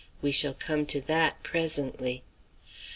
We shall come to that presently.